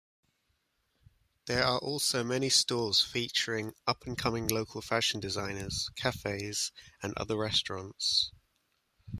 There are also many stores featuring up-and-coming local fashion designers, cafes and other restaurants.